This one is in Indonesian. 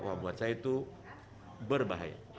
wah buat saya itu berbahaya